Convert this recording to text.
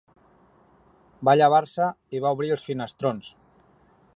Va llevar-se, i va obrir els finestrons